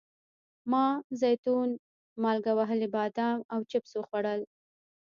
ما زیتون، مالګه وهلي بادام او چپس وخوړل.